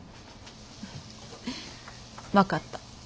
分かった。